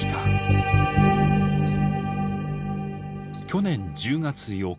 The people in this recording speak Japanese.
去年１０月８日。